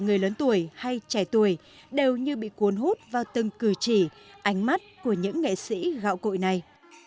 người lớn tuổi hay trẻ tuổi đều như bị cuốn hút vào từng cử chỉ ánh mắt của những nghệ sĩ gạo cội này